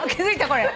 これ。